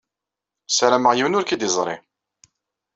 Sarameɣ yiwen ur k-id-iẓṛi.